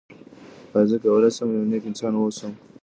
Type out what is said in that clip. آیا زه کولی شم یو نېک انسان واوسم؟